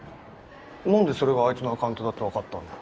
何でそれがあいつのアカウントだって分かったんだよ？